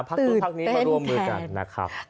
ภาคสุดภาคนี้มาร่วมมือกันนะครับ